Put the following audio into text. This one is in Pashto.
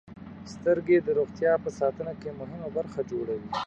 • سترګې د روغتیا په ساتنه کې مهمه برخه جوړوي.